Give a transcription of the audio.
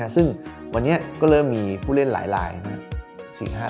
ซึ่งวันนี้ก็เริ่มมีผู้เล่นหลายนะครับ